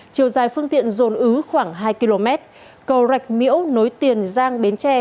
chiều dài phương tiện dồn ứ khoảng hai km cầu rạch miễu nối tiền giang bến tre